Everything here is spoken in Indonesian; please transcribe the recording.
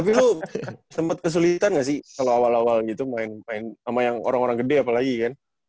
tapi lu tempat kesulitan nggak sih kalau awal awal gitu main main sama yang orang orang gede gitu